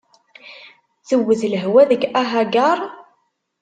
Tewwet lehwa deg ahagar?